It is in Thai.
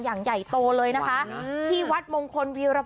อย่างใหญ่โตเลยนะคะอืมที่วัดมงคลวีรพันธ์